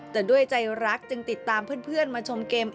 แต่ด้วยใจรักจึงติดตามเพื่อนมาชมเกม